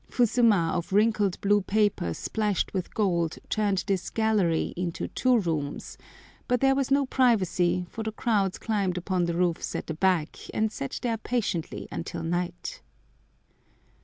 Fusuma of wrinkled blue paper splashed with gold turned this "gallery" into two rooms; but there was no privacy, for the crowds climbed upon the roofs at the back, and sat there patiently until night.